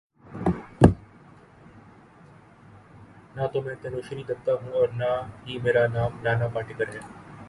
نہ تو میں تنوشری دتہ ہوں اور نہ ہی میرا نام نانا پاٹیکر ہے